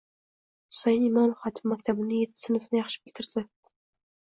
Husayin Imom Xatib maktabini yetti sinfini yaxshi bitirdi.